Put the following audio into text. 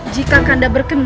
jika kanda berkenan